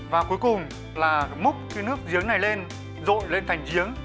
và cuối cùng là múc khi nước giếng này lên rội lên thành giếng